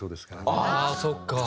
ああそっか。